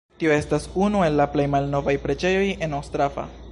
Tio estas unu el la plej malnovaj preĝejoj en Ostrava.